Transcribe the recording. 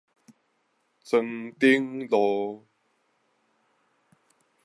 莊頂路